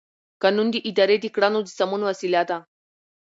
قانون د ادارې د کړنو د سمون وسیله ده.